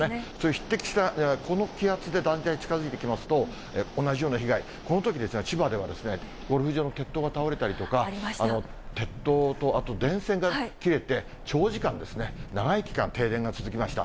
匹敵した、この気圧でだんだん近づいてきますと、同じような被害、このときですが、千葉ではゴルフ場の鉄塔が倒れたりとか、鉄塔とあと電線が切れて長時間ですね、長い期間、停電が続きました。